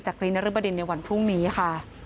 รีนรบดินในวันพรุ่งนี้ค่ะ